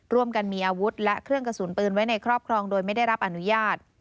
ร่วมกันมีอาวุธและเครื่องกระสุนปืนไว้ในครอบครองโดยไม่ได้รับอนุญาต